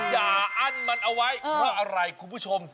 อั้นมันเอาไว้เพราะอะไรคุณผู้ชม